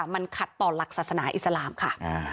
มันขัดต่อหลักศาสนาอิสลามค่ะ